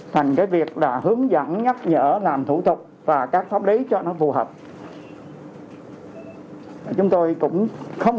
thành cái việc là hướng dẫn nhắc nhở làm thủ tục và các pháp lý cho nó phù hợp chúng tôi cũng không